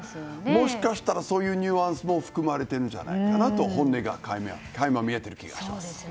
もしかしたら、そういうニュアンスも含まれているんじゃないかなと本音が垣間見えている気がします。